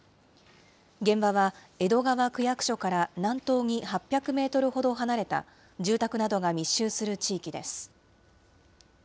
現場は江戸川区役所から南東に８００メートルほど離れた、住宅などが密集する地域です。